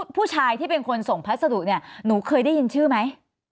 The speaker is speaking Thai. ผู้ชายที่เป็นคนส่งพัสดุเนี่ยหนูเคยได้ยินชื่อไหม